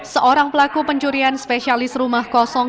seorang pelaku pencurian spesialis rumah kosong